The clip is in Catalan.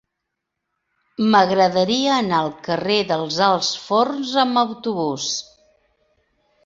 M'agradaria anar al carrer dels Alts Forns amb autobús.